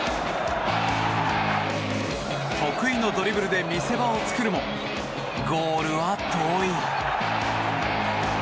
得意のドリブルで見せ場を作るもゴールは遠い。